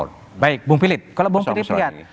oke baik bung pilit kalau bung pilit lihat